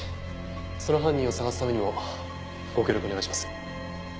その犯人を捜すためにもご協力お願いします。